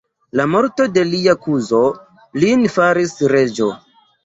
La morto de lia kuzo lin faris reĝo.